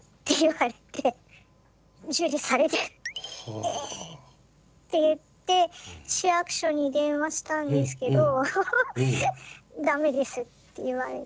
「ええ」って言って市役所に電話したんですけど「駄目です」って言われて。